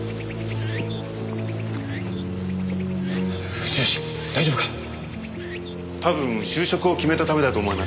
藤吉大丈夫か？多分就職を決めたためだと思いますが。